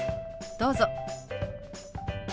どうぞ。